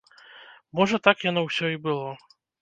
Можа так яно ўсё і было.